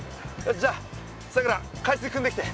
じゃあさくら海水くんできて。